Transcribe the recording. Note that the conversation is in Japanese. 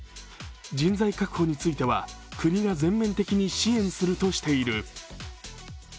人材確保については国が全面的に支援するとしている。